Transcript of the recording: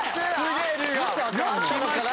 きました！